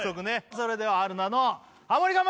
それでは春菜のハモリ我慢